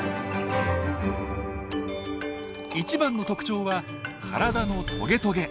一番の特徴は体のトゲトゲ。